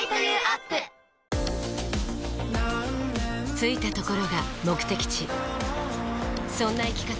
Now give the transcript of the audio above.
着いたところが目的地そんな生き方